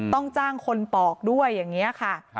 ต้องจ้างคนปอกด้วยอย่างนี้ค่ะ